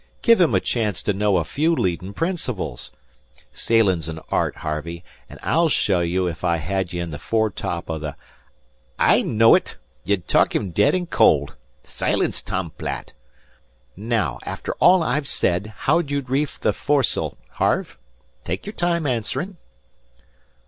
"Give him a chance to know a few leadin' principles. Sailin's an art, Harvey, as I'd show you if I had ye in the fore top o' the " "I know ut. Ye'd talk him dead an' cowld. Silince, Tom Platt! Now, after all I've said, how'd you reef the foresail, Harve? Take your time answerin'."